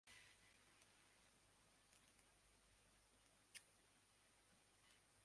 তিনি বিশেষ পাণ্ডিত্য অর্জন করে দেওয়ানি আদালতে আইনব্যবসা শুরু করেন।